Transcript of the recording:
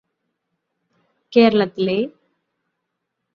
കേരളത്തിലെ